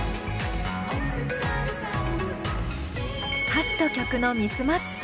歌詞と曲のミスマッチ。